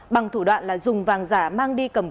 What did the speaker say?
bằng thủ đoạn là dùng vàng giả mang đi cầm